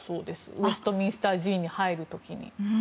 ウェストミンスター寺院に入る時に。